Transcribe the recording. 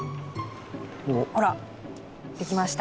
ほらできました。